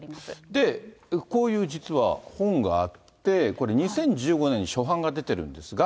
で、こういう実は本があって、これ、２０１５年に初版が出てるんですが。